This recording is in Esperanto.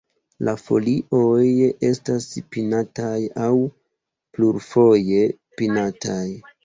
La folioj estas pinataj aŭ plurfoje pinataj.